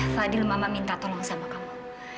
sadil mama minta tolong sama kamu